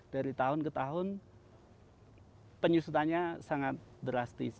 dari tahun ke tahun penyusutannya sangat drastis